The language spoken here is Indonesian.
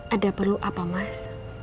ada perlu apa mas